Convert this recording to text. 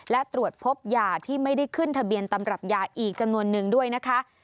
และตรวจพบยาที่ไม่ได้ขึ้นทะเบียนตำรับยาอีกจำนวนนึงด้วยนะคะ